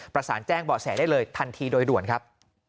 แจ้งเบาะแสได้เลยทันทีโดยด่วนครับ